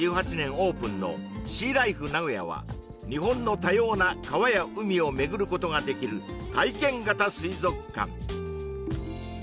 オープンのシーライフ名古屋は日本の多様な川や海を巡ることができる体験型水族館沖縄のかりゆし水族館は